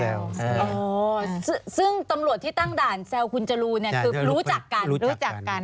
โอ้ซึ่งตำรวจที่ตั้งด่านแซลคุลจะรู้คือรู้จักกัน